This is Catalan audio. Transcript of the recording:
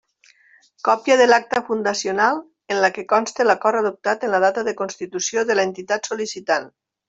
Còpia de l'acta fundacional, en la que conste l'acord adoptat en la data de constitució de l'entitat sol·licitant.